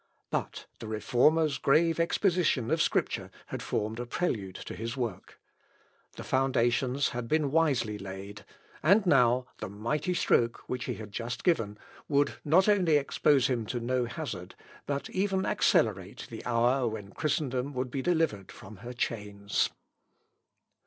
But the Reformer's grave exposition of Scripture had formed a prelude to his work. The foundations had been wisely laid, and now the mighty stroke which he had just given would not only expose him to no hazard, but even accelerate the hour when Christendom would be delivered from her chains.